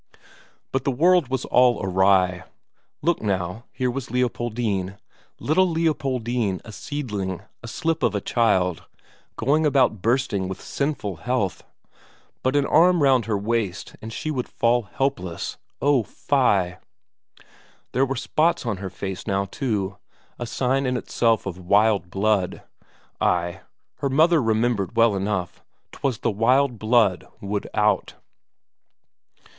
But the world was all awry. Look now, here was Leopoldine, little Leopoldine, a seedling, a slip of a child, going about bursting with sinful health; but an arm round her waist and she would fall helpless oh, fie! There were spots on her face now, too a sign in itself of wild blood; ay, her mother remembered well enough, 'twas the wild blood would out.